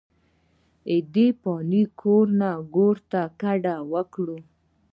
ددې فاني کور نه ګور ته کډه اوکړه،